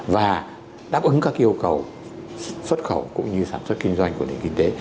và đáp ứng các yêu cầu xuất khẩu cũng như sản xuất kinh doanh của nền kinh tế